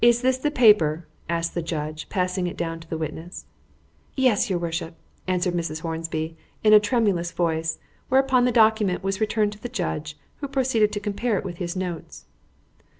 "Is this the paper?" asked the judge, passing it down to the witness. "Yes, your worship," answered Mrs. Hornby, in a tremulous voice; whereupon the document was returned to the judge, who proceeded to compare it with his notes.